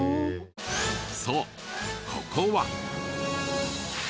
そうここは。